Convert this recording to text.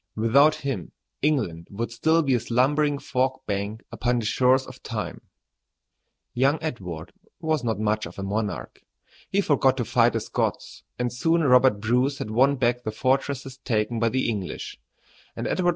Without him England would still be a slumbering fog bank upon the shores of Time. [Illustration: ROGER BACON DISCOVERS GUNPOWDER.] Young Edward was not much of a monarch. He forgot to fight the Scots, and soon Robert Bruce had won back the fortresses taken by the English, and Edward II.